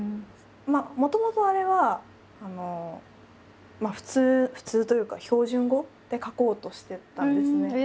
もともとあれは普通普通というか標準語で書こうとしてたんですね。